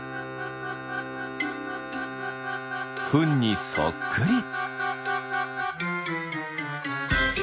フンにそっくり。